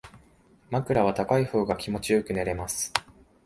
枕は高い方が気持ちよく眠れます